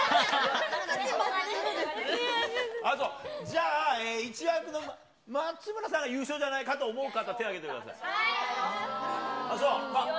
私、じゃあ、１枠の松村さんが優勝じゃないかと思う方手挙げてください。